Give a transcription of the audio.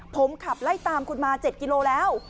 ผมขับไล่ตามคุณมา๗กิโลแล้ว